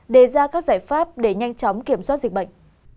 đề ra các giải pháp để nhanh chóng kiểm soát dịch bệnh